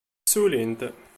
Ssullint.